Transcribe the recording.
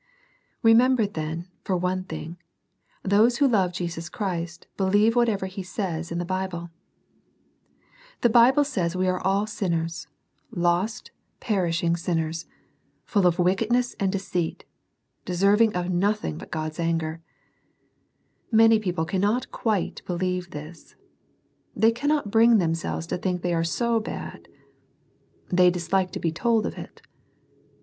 Remember, then, for one thing, those who lovt Jesus Christy believe whatever He says in the Bible, The Bible says we ate «1\. OTS!aKC8»0^<^s^^^'5ss^^»^ Il8 SERMONS FOR CHILDREN. ing sinners ; full of wickedness and deceit ; de serving of nothing but God's anger. Many people cannot quite believe this: they cannot bring themselves to think they are so bad : they dislike to be told of it.